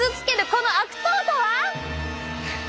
この悪党とは？